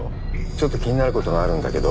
ちょっと気になることがあるんだけど